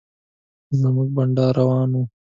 زموږ بنډار روان و.